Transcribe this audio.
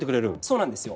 そうなんです。